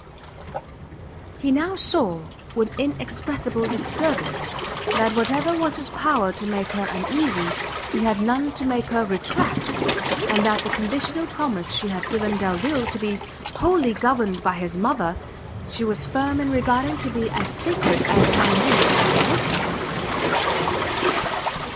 He now saw, with inexpressible disturbance, that whatever was his power to make her uneasy, he had none to make her retract, and that the conditional promise she had given Delvile to be wholly governed by his mother, she was firm in regarding to be as sacred as one made at the altar.